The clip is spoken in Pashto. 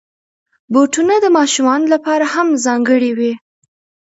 بوټونه د ماشومانو لپاره هم ځانګړي وي.